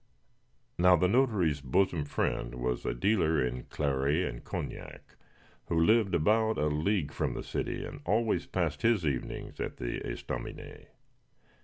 Now, the notary's bosom friend was a dealer in claret and cognac, who lived about a league from the city, and always passed his evenings at the estaminet.